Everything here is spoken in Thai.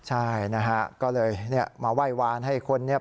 ใช่นะฮะก็เลยมาไหว้วานให้คนเนี่ย